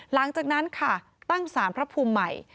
หลังจากนั้นค่ะตั้งสารพระภูมิใหม่